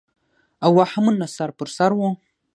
او وهمونه سر پر سر وو